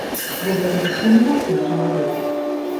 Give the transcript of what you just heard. Бо гэта дыскрымінацыя чалавека.